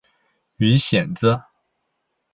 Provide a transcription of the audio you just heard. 鱼显子